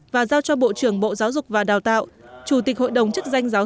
và giao cho bộ trưởng bộ giáo dục và đào tạo